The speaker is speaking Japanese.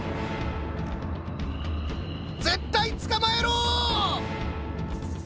絶対捕まえろ！